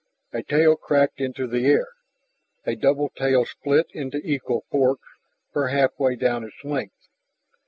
A tail cracked into the air; a double tail split into equal forks for half way down its length.